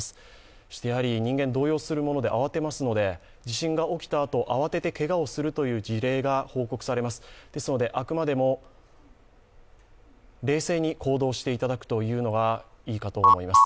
そして、人間動揺するもので慌てますので地震が起きたあと慌ててけがをするという事例が報告されますので、あくまでも冷静に行動していただくというのがいいかと思います。